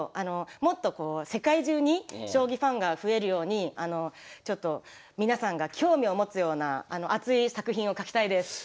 もっとこう世界中に将棋ファンが増えるようにちょっと皆さんが興味を持つような熱い作品を描きたいです。